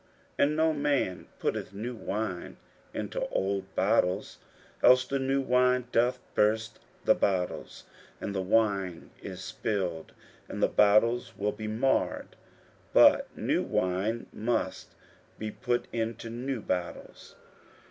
41:002:022 And no man putteth new wine into old bottles: else the new wine doth burst the bottles, and the wine is spilled, and the bottles will be marred: but new wine must be put into new bottles.